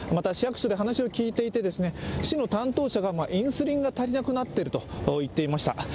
市役所で話を聞いていて市の担当者が、インスリンが足りなくなっていると言っていました。